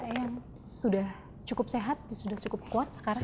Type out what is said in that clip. yang sudah cukup sehat sudah cukup kuat sekarang